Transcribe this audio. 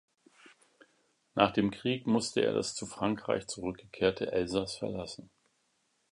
Nach dem Krieg musste er das zu Frankreich zurückgekehrte Elsass verlassen.